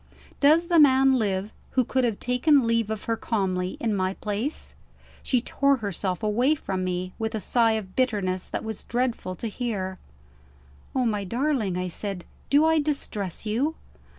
Does the man live who could have taken leave of her calmly, in my place? She tore herself away from me, with a sigh of bitterness that was dreadful to hear. "Oh, my darling," I said, "do I distress you?"